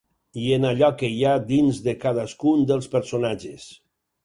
I en allò que hi ha dins de cadascun dels personatges.